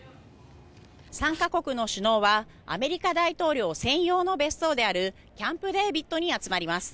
３か国の首脳はアメリカ大統領専用の別荘であるキャンプデービッドに集まります。